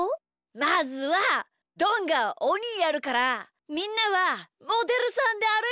まずはどんがおにやるからみんなはモデルさんであるいてきてよ。